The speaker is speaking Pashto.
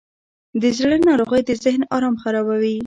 د زړه ناروغۍ د ذهن آرام خرابوي.